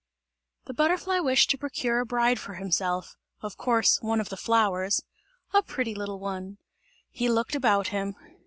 The butterfly wished to procure a bride for himself of course, one of the flowers a pretty little one. He looked about him.